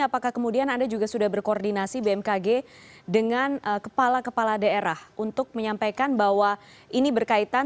apakah kemudian anda juga sudah berkoordinasi bmkg dengan kepala kepala daerah untuk menyampaikan bahwa ini berkaitan